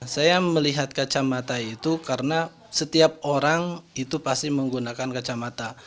saya melihat kacamata itu karena setiap orang itu pasti menggunakan kacamata